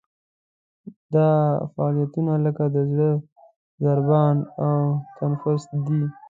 دا فعالیتونه لکه د زړه ضربان او تنفس دي.